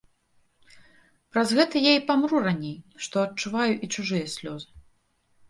Праз гэта я і памру раней, што адчуваю і чужыя слёзы.